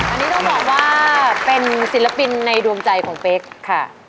อันนี้ต้องบอกว่าเป็นศิลปินในดวงใจของเป๊กค่ะ